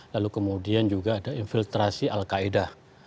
lalu kemudian juga ada infiltrasi al qaeda